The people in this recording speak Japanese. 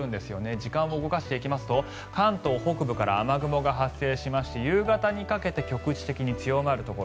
時間を動かすと関東北部から雨雲が発生しまして夕方にかけて局地的に強まるところ。